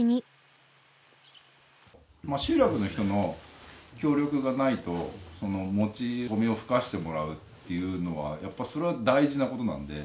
集落の人の協力がないともち米をふかしてもらうっていうのはやっぱそれは大事な事なので。